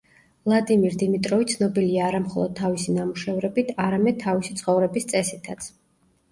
ვლადიმირ დიმიტროვი ცნობილია არა მხოლოდ თავისი ნამუშევრებით, არამედ თავისი ცხოვრების წესითაც.